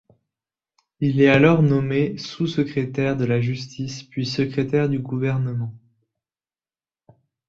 Il est alors nommé sous secrétaire de la Justice puis secrétaire du Gouvernement.